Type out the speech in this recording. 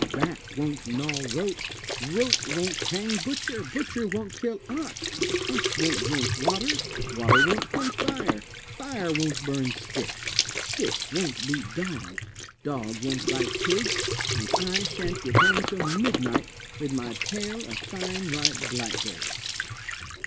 "Rat won't gnaw rope, rope won't hang butcher, butcher won't kill ox, ox won't drink water, water won't quench fire, fire won't burn stick, stick won't beat dog, dog won't bite pig, and I shan't get home till midnight with my pail of fine ripe blackberries."